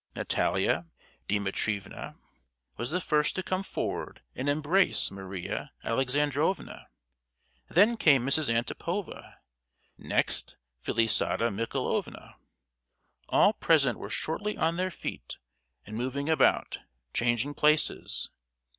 Natalia Dimitrievna was the first to come forward and embrace Maria Alexandrovna; then came Mrs. Antipova; next Felisata Michaelovna. All present were shortly on their feet and moving about, changing places.